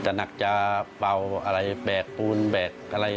แต่หนักจะเป่าอะไรแบกปูนแบกอะไร